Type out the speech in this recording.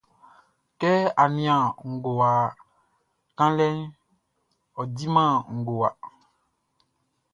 Kɛ á nían ngowa kanlɛʼn, ɔ diman ngowa.